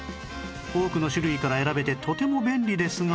多くの種類から選べてとても便利ですが